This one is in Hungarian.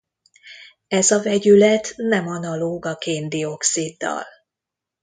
Ez a vegyület nem analóg a kén-dioxiddal.